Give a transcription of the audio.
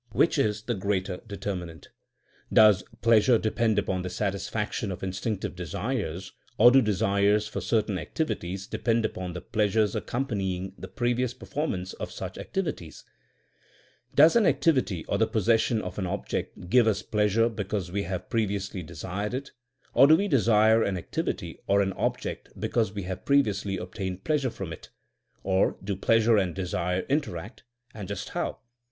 Which is the greater determinant ? Does pleasure depend upon the satisfaction of instinctive desires, or do desires for certain activities depend upon the pleasure accompany ing the previous performance of su^h activi ties f Does an activity or the possession of an object give us pleasure because we have pre viously desired it, or do we desire an activity or an object because we have previously ob tained pleasure from it! Or do pleasure and desire interact, and just how?